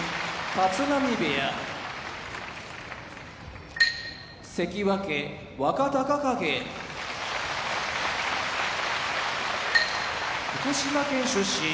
立浪部屋関脇・若隆景福島県出身